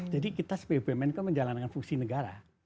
jadi kita sebagai bumn itu menjalankan fungsi negara